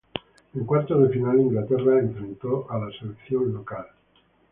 En cuartos de final, Inglaterra enfrentó a la selección local.